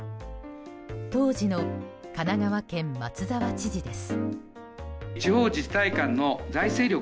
当時の神奈川県松沢知事です。